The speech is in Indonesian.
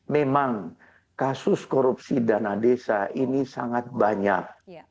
memang kasus korupsi dana desa ini sangat banyak